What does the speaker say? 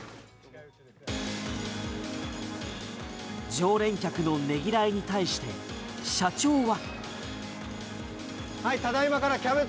常連客のねぎらいに対して社長は。